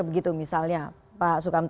begitu misalnya pak sukamta